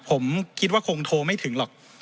ผมคิดว่าคงโทรไม่ถึงหรอก